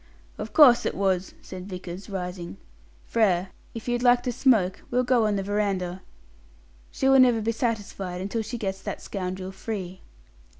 "Of course it was," said Vickers, rising. "Frere, if you'd like to smoke, we'll go on the verandah. She will never be satisfied until she gets that scoundrel free."